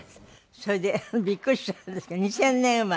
それでびっくりしちゃうんですけど２０００年生まれ？